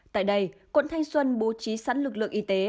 tại đây quận thanh xuân bố trí sẵn lực lượng y tế